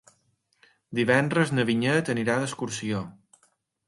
Divendres na Vinyet anirà d'excursió.